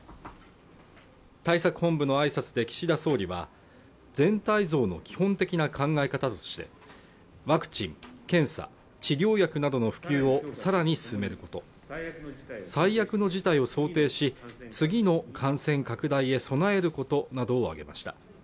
対策本部の挨拶で岸田総理は全体像の基本的な考え方としてワクチン・検査・治療薬などの普及をさらに進めること最悪の事態を想定し次の感染拡大へ備えることなどを挙げました